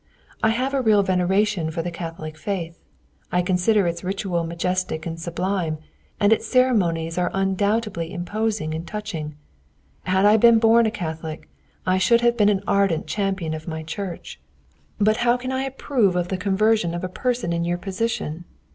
I have a real veneration for the Catholic faith. I consider its ritual majestic and sublime, and its ceremonies are undoubtedly imposing and touching. Had I been born a Catholic, I should have been an ardent champion of my Church. But how can I approve of the conversion of a person in your position?